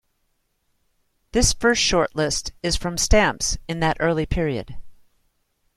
This first short list is from stamps in that early period.